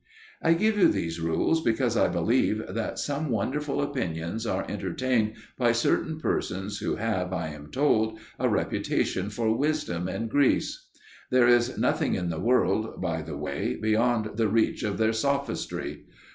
I give you these rules because I believe that some wonderful opinions are entertained by certain persons who have, I am told, a reputation for wisdom in Greece. There is nothing in the world, by the way, beyond the reach of their sophistry.